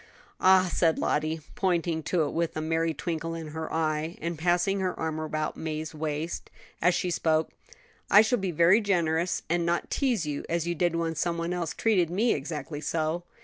"Ah," said Lottie, pointing to it with a merry twinkle in her eye, and passing her arm about May's waist as she spoke, "I shall be very generous, and not tease as you did when somebody else treated me exactly so."